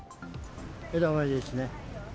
枝豆ですね。